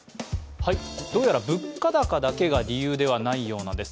どうやら物価高だけが理由ではないようなんです。